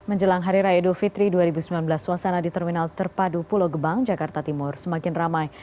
menjelang hari raya idul fitri dua ribu sembilan belas suasana di terminal terpadu pulau gebang jakarta timur semakin ramai